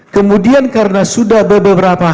kemudian karena sudah beberapa